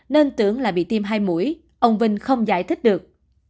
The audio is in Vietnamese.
nên tưởng là bị tiêm hai mũi ông vinh không giải thích được